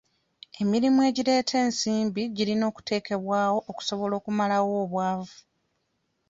Emirimu egireeta ensimbi girina okuteekebwawo okusobola okumalawo obwavu.